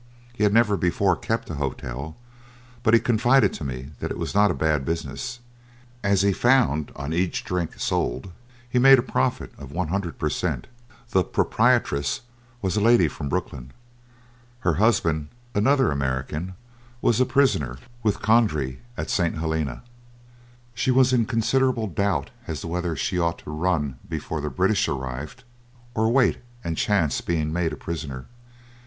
He had never before kept a hotel, but he confided to me that it was not a bad business, as he found that on each drink sold he made a profit of a hundred per cent. The proprietress was a lady from Brooklyn, her husband, another American, was a prisoner with Cronje at St. Helena. She was in considerable doubt as to whether she ought to run before the British arrived, or wait and chance being made a prisoner.